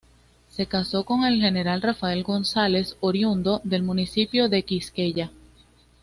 Se caso con el General Rafael González, oriundo del municipio de Quisqueya.